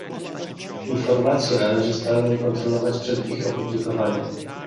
Informacje należy starannie kontrolować przed ich opublikowaniem